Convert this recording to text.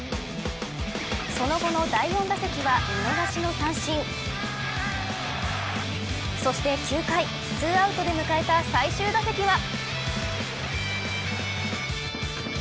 その後の第４打席は見逃しの三振そして９回、２アウトで迎えた最終打席は。